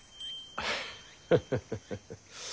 ハハハハハ。